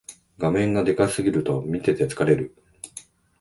画面がでかすぎると見てて疲れる